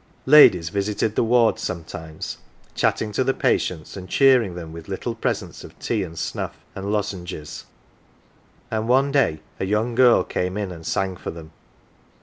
Ladies visited the wards some times, chatting to the patients, and cheering them with little presents of tea, and snuff, and lozenges ; and one day a young girl came in and sang for them.